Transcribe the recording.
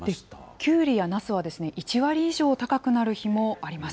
きゅうりやなすは、１割以上高くなる日もあります。